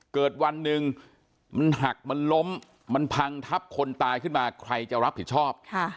เกิดวันหนึ่งมันหักมันล้มมันพังทับคนตายขึ้นมาใครจะรับผิดชอบ